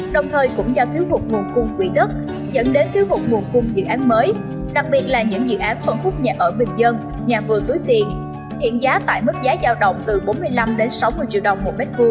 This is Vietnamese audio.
đồng thời cũng do thiếu hụt nguồn cung quỹ đất dẫn đến thiếu hụt nguồn cung dự án mới đặc biệt là những dự án phân khúc nhà ở bình dân nhà vườn túi tiền hiện giá tại mức giá giao động từ bốn mươi năm sáu mươi triệu đồng một m hai